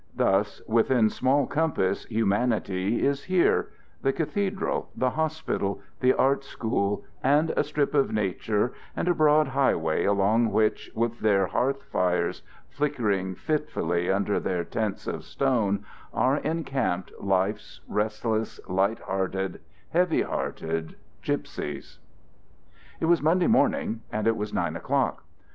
Thus within small compass humanity is here: the cathedral, the hospital, the art school, and a strip of nature, and a broad highway along which, with their hearth fires flickering fitfully under their tents of stone, are encamped life's restless, light hearted, heavy hearted Gipsies. It was Monday morning and it was nine o'clock.